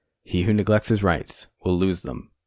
He who neglects his rights will lose them.